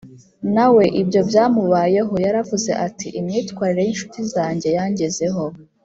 na we ibyo byamubayeho Yaravuze ati imyitwarire y incuti zanjye yangezeho